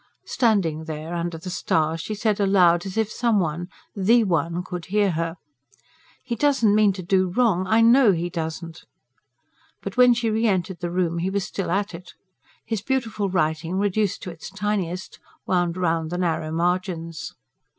Standing there under the stars she said aloud, as if some one, THE One, could hear her: "He doesn't mean to do wrong.... I KNOW he doesn't!" But when she re entered the room he was still at it. His beautiful writing, reduced to its tiniest, wound round the narrow margins.